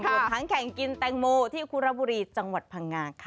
รวมทั้งแข่งกินแตงโมที่คุรบุรีจังหวัดพังงาค่ะ